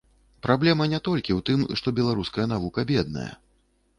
Праблема не толькі ў тым, што беларуская навука бедная.